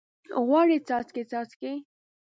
غواړي څاڅکي، څاڅکي